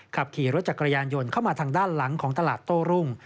ขับขี่รถจักรยานยนต์เข้ามาทางด้านหลังของตลาดโต้รุ่ง